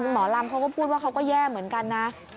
หมอลำเขาก็พูดว่าเขาก็แย่เหมือนกันนะ